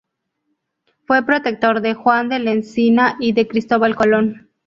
Fue protector de Juan del Encina y de Cristóbal Colón.